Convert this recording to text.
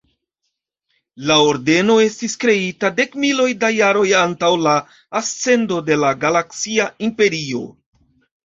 La ordeno estis kreita dekmiloj da jaroj antaŭ la ascendo de la Galaksia Imperio.